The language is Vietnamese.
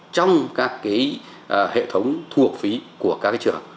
trong các hệ thống thu học phí của các trường